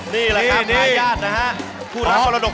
นี่แหละครับพ่ายญาตินะครับ